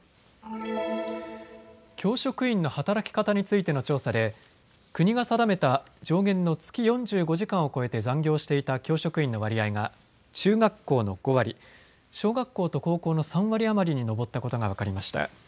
教職員の働き方についての調査で国が定めた上限の月４５時間を超えて残業していた教職員の割合が中学校の５割、小学校と高校の３割余りに上ったことが分かりました。